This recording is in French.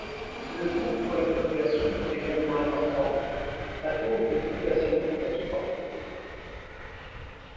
Le coût pour la population est également important, à cause des privations à supporter.